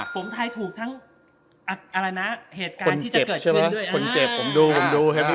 ผมถ่ายถูกทั้งเหตุการณ์ที่จะเกิดขึ้น